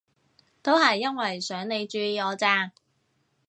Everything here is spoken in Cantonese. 都係因為想你注意我咋